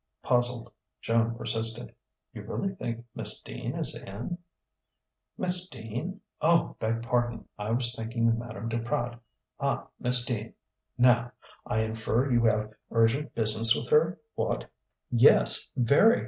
Puzzled, Joan persisted: "You really think Miss Dean is in?" "Miss Dean? Oh, beg pardon! I was thinking of Madame Duprat. Ah ... Miss Dean ... now ... I infer you have urgent business with her what?" "Yes, very!"